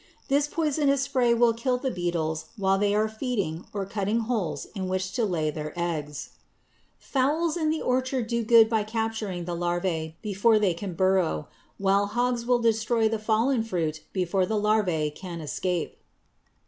This poisonous spray will kill the beetles while they are feeding or cutting holes in which to lay their eggs. [Illustration: FIG. 156. THE CANKERWORM] Fowls in the orchard do good by capturing the larvæ before they can burrow, while hogs will destroy the fallen fruit before the larvæ can escape.